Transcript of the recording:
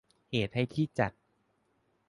เหตุให้ที่จัด